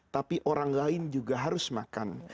tapi orang lain juga harus makan